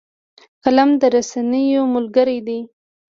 قلم د رسنیو ملګری دی